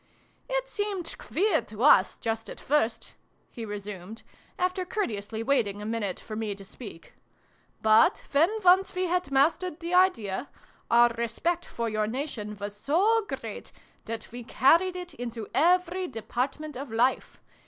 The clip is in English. " It seemed queer to MS, just at first," he resumed, after courteously waiting a minute for me to speak :" but, when once we had mas tered the idea, our respect for your Nation was so great that we carried it into every department of life